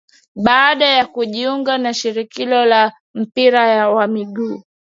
Baada ya kujiunga na shirikisho la mpira wa miguu